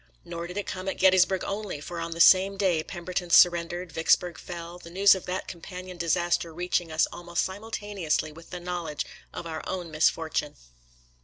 Nor did it come at Gettysburg only, for on the same day Pemberton surrendered, Vicksburg fell — the news of that companion dis aster reaching us almost simultaneously with the knowledge of our own misfortune.